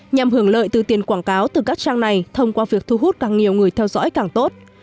nhằm hưởng lợi từ tiền quảng cáo từ các trang này thông qua việc thu hút càng nhiều người theo dõi càng tốt